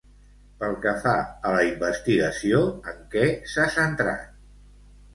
Pel que fa a la investigació, en què s'ha centrat?